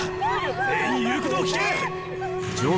全員言うことを聞け！